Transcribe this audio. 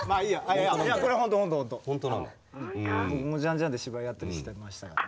僕もジァン・ジァンで芝居やったりしてましたから。